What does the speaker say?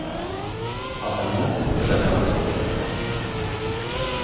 Odamlar davra bo‘ldi.